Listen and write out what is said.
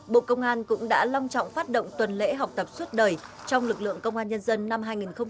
bộ công an cũng đã long trọng phát động tuần lễ học tập suốt đời trong lực lượng công an nhân dân năm hai nghìn hai mươi